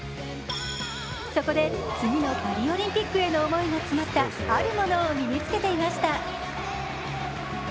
そこで次のパリオリンピックへの思いが詰まったあるものを身に着けていました。